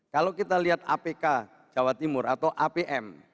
kalau kita lihat apk jawa timur atau apm